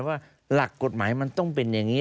ว่าหลักกฎหมายมันต้องเป็นอย่างนี้